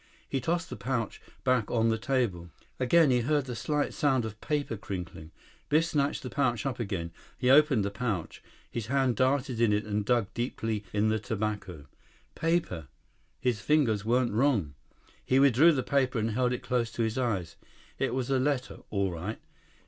He tossed the pouch back on the table. Again he heard the slight sound of paper crinkling. Biff snatched the pouch up again. He opened the pouch. His hand darted in it and dug deeply in the tobacco. Paper! His fingers weren't wrong. He withdrew the paper and held it close to his eyes. It was a letter, all right.